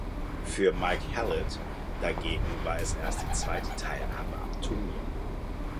Für Mike Hallett dagegen war es erst die zweite Teilnahme am Turnier.